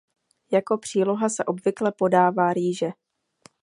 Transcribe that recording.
Jako příloha se obvykle podává rýže.